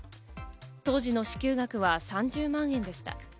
当時の支給額は３０万円でした。